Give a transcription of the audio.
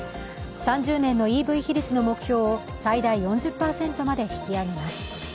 ３０年のＥＶ比率の目標を最大４０％まで引き上げます。